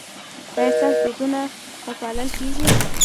ایا ستاسو دودونه به پالل کیږي؟